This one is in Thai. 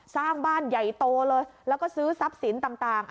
สร้างบ้านใหญ่โตเลยแล้วก็ซื้อทรัพย์สินต่าง